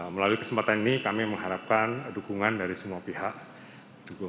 melalui kesempatan ini kami mengharapkan dukungan dari semua pihak